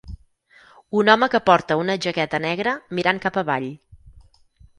Un home que porta una jaqueta negra mirant cap avall.